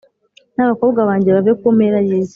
n abakobwa banjye bave ku mpera y isi